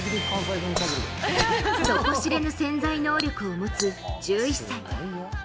底知れぬ潜在能力を持つ１１歳。